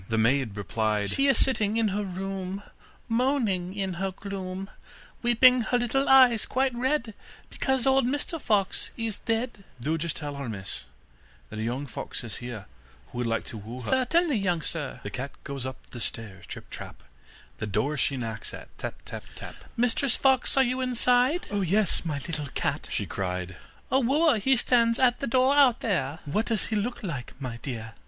The maid replied: 'She is sitting in her room, Moaning in her gloom, Weeping her little eyes quite red, Because old Mr Fox is dead.' 'Do just tell her, miss, that a young fox is here, who would like to woo her.' 'Certainly, young sir.' The cat goes up the stairs trip, trap, The door she knocks at tap, tap, tap, 'Mistress Fox, are you inside?' 'Oh, yes, my little cat,' she cried. 'A wooer he stands at the door out there.' 'What does he look like, my dear?